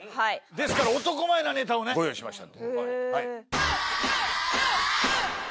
ですから男前なネタをご用意しました。